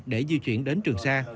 để di chuyển đến trường xa